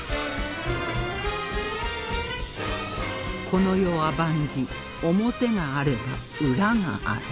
この世は万事表があれば裏がある